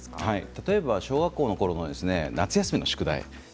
例えば小学校のころの夏休みの宿題。